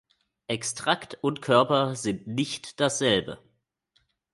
Extrakt und Körper sind "nicht" dasselbe.